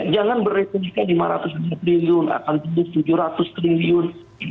jangan berpikir pikir rp lima ratus triliun rp delapan ratus triliun rp tujuh ratus triliun